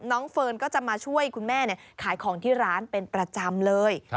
เฟิร์นก็จะมาช่วยคุณแม่ขายของที่ร้านเป็นประจำเลย